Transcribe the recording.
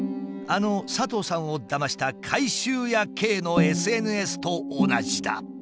あの佐藤さんをだました回収屋ＫのＳＮＳと同じだ。